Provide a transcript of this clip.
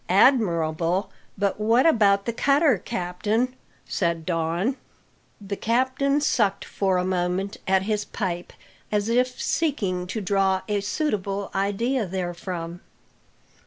"Admirable! But what about the cutter, captain?" said Don. The captain sucked for a moment at his pipe as if seeking to draw a suitable idea therefrom.